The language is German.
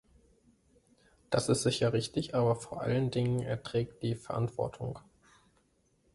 Das ist sicher richtig, aber vor allen Dingen er trägt die Verantwortung!